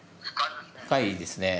深いですね。